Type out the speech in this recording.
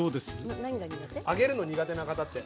揚げるの苦手な方って。